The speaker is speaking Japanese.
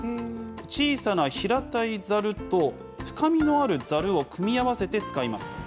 小さな平たいザルと、深みのあるザルを組み合わせて使います。